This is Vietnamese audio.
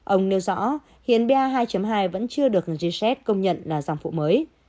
ông nêu rõ hiện ba hai hai vẫn chưa được gz công nhận là dòng phụ mới